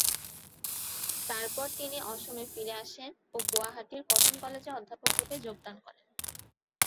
তারপর তিনি অসমে ফিরে আসেন ও গুয়াহাটির কটন কলেজে অধ্যাপক রুপে যোগদান করেন।